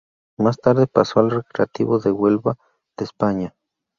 Más tarde pasó al Recreativo de Huelva de España.